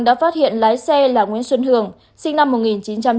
đã phát hiện lái xe là nguyễn xuân hưởng sinh năm một nghìn chín trăm chín mươi hai